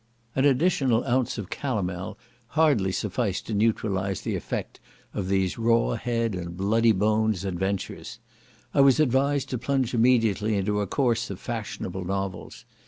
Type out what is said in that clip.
An additional ounce of calomel hardly sufficed to neutralize the effect of these raw head and bloody bones adventures. I was advised to plunge immediately into a course of fashionable novels.